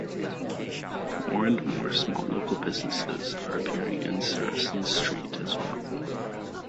More and more small local businesses are appearing in Saracen Street as well.